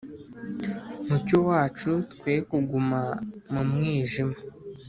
mucyo wacu, twe kuguma mu mwijima.